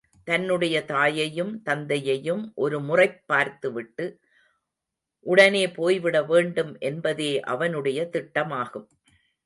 தன்னுடைய தாயையும், தந்தையையும் ஒரு முறைப் பார்த்து விட்டு, உடனே போய் விட வேண்டும் என்பதே அவனுடைய திட்டமாகும்.